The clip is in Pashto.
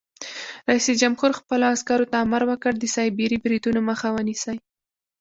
رئیس جمهور خپلو عسکرو ته امر وکړ؛ د سایبري بریدونو مخه ونیسئ!